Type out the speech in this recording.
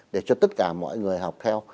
để cho tất cả mọi người học theo